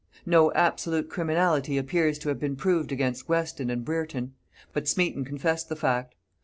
No absolute criminality appears to have been proved against Weston and Brereton; but Smeton confessed the fact.